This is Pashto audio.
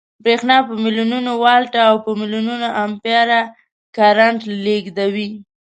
برېښنا په ملیونونو ولټه او په ملیونونو امپیره کرنټ لېږدوي